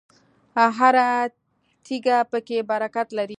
هره تیږه پکې برکت لري.